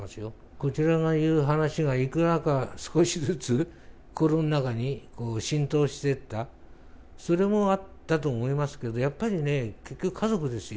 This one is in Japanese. こちらが言う話がいくらか少しずつ心の中に浸透してった、それもあったと思いますけど、やっぱりね、結局、家族ですよ。